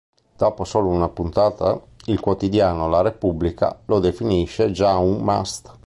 Dopo solo una puntata il quotidiano "La Repubblica" lo definisce già un "must".